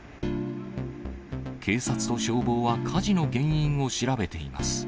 警察と消防は火事の原因を調べています。